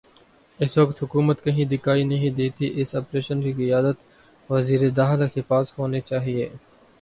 اس وقت حکومت کہیں دکھائی نہیں دیتی اس آپریشن کی قیادت وزیر داخلہ کے پاس ہونی چاہیے۔